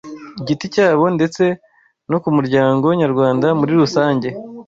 igiti cyabo ndetse no ku muryango nyarwanda muri rusange